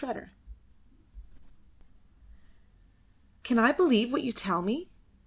CHAPTER IX. "Can I believe what you tell me?